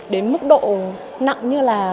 đến mức độ nặng như là